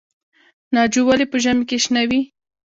ناجو ولې په ژمي کې شنه وي؟